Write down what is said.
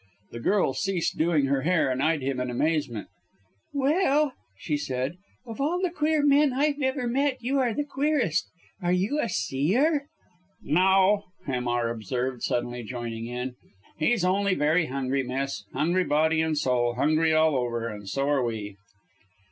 The girl ceased doing her hair and eyed him in amazement. "Well!" she said. "Of all the queer men I've ever met you are the queerest. Are you a seer?" "No!" Hamar observed, suddenly joining in. "He's only very hungry, miss. Hungry body and soul! hungry all over. And so are we."